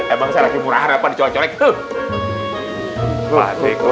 emang saya lagi murahan apa dicorek corek tuh